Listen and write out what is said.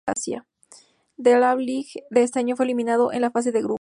En la O-League de ese año fue eliminado en la fase de grupos.